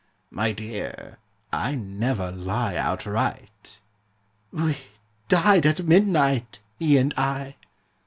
'My dear, I never lie outright.' 'We died at midnight, he and I.'